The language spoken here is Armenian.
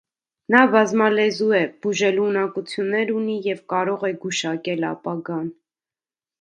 Նա բազմալեզու է, բուժելու ունակություններ ունի և կարողե գուշակել ապագան։